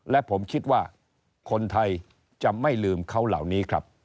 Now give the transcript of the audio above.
และผมคิดว่าคนไทยจะไม่ลืมเขาเหล่านี้ครับ